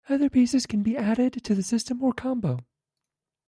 Other pieces can be added to the system or combo.